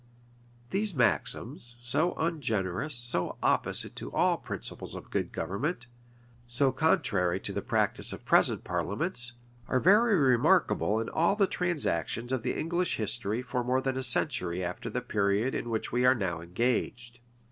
These maxims, so ungenerous, so opposite to all principles of good government, so contrary to the practice of present parliaments, are very remarkable in all the transactions of the English history for more than a century after the period in which we are now engaged.